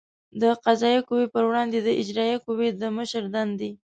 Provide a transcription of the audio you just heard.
د قضایه قوې پر وړاندې د اجرایه قوې د مشر دندې